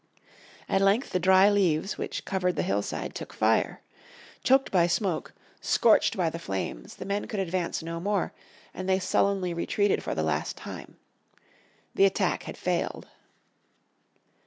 At length the dry leaves which covered the hillside took fire. Choked by the smoke, scorched by the flames the men could advance no more, and they sullenly retreated for the last time. The attack had failed.